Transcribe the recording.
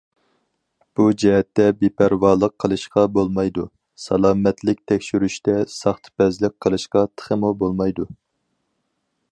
بۇ جەھەتتە بىپەرۋالىق قىلىشقا بولمايدۇ، سالامەتلىك تەكشۈرۈشتە ساختىپەزلىك قىلىشقا تېخىمۇ بولمايدۇ.